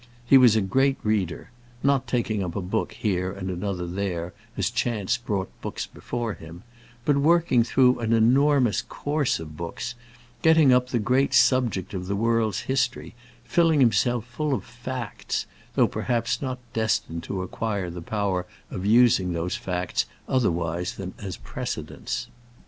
He was a great reader not taking up a book here, and another there, as chance brought books before him, but working through an enormous course of books, getting up the great subject of the world's history filling himself full of facts though perhaps not destined to acquire the power of using those facts otherwise than as precedents.